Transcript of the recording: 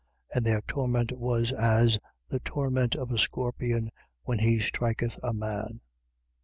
And their torment was as the torment of a scorpion when he striketh a man.